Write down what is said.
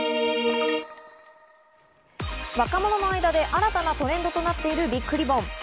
若者の間で新たなトレンドとなっているビッグリボン。